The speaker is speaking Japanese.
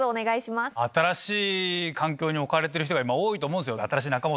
新しい環境に置かれてる人が今多いと思うんですよ。